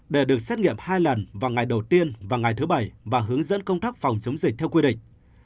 để được xét nghiệm hai lần vào ngày đầu tiên và ngày thứ bảy và hướng dẫn công tác phòng chống dịch theo quy định